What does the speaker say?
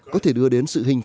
có thể đưa đến sự hình thức